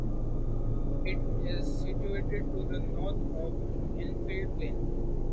It is situated to the north of Annfield Plain.